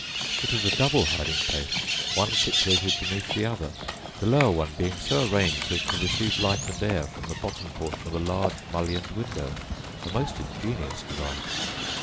It was a double hiding place, one situated beneath the other; the lower one being so arranged as to receive light and air from the bottom portion of a large mullioned window a most ingenious device.